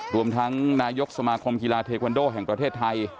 รวมทั้งนายกสมาคมกีฬาเทควันโดแห่งประเทศไทย